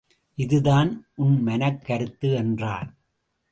இதுதான் உன் மனக்கருத்து என்றான்.